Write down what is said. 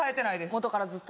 元からずっと。